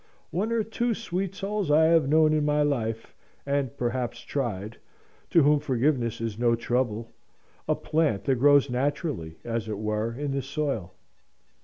One or two sweet souls I have known in my life (and perhaps tried) to whom forgiveness is no trouble a plant that grows naturally, as it were, in the soil.